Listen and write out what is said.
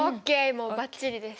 もうバッチリです！